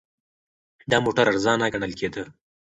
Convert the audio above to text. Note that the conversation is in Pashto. دا موټر ارزانه ګڼل کېده.